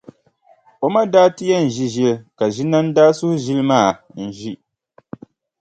O ma daa ti yɛn ʒi ʒili ka Ʒinani daa suhi ʒili maa n-ʒi.